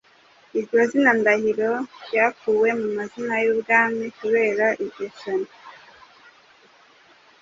Iryo zina Ndahiro ryakuwe mu mazina y’ubwami kubera iryo shyano